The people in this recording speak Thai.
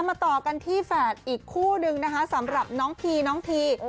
มาต่อกันที่แฝดอีกคู่นึงนะคะสำหรับน้องพีน้องที